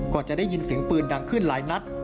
จะได้ยินเสียงปืนดังขึ้นหลายนัด